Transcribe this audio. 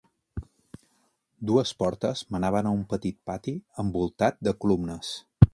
Dues portes menaven a un petit pati envoltat de columnes.